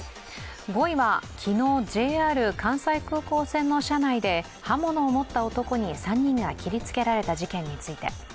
５位は、昨日ＪＲ関西空港線の車内で刃物を持った男に３人が切りつけられた事件について。